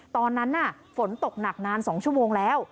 ตอนนั้นฝนตกหนักนาน๒ชั่วโมงแล้ว